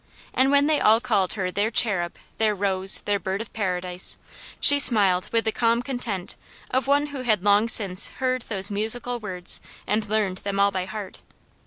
And when they all called her their cherub, their rose, their bird of paradise, she smiled with the calm con tent of one who had long since heard those musical words and learned them all by heart.